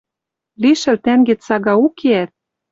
Лишӹл тӓнгет сага укеӓт: